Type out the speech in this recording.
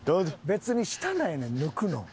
別にしたないねん抜くの。